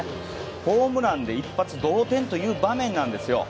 ホームランで一発同点という場面なんですよ。